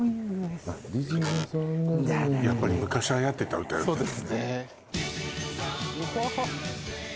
やっぱり昔はやってた歌歌うんだ。